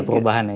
ada perubahan ya